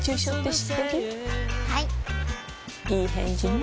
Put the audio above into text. いい返事ね